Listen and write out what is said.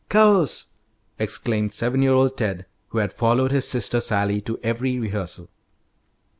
"Course!" exclaimed seven year old Ted, who had followed his sister Sally to every rehearsal.